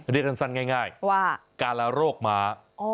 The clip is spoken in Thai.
เดี๋ยวทานซันง่ายการละโรคม้า